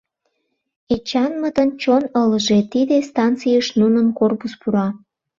Эчанмытын чон ылыже, тиде станцийыш нунын корпус пура.